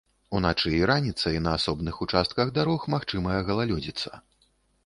Уначы і раніцай на асобных участках дарог магчымая галалёдзіца.